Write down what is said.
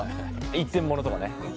一点物とかね。